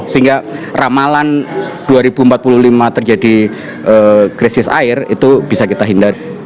sehingga ramalan dua ribu empat puluh lima terjadi krisis air itu bisa kita hindari